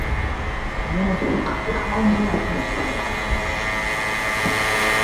Di ni bɔŋɔ, yɛtɔɣili ŋɔ maa ka yi yuuni lahiʒiba?